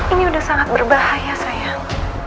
ini sudah sangat berbahaya sayang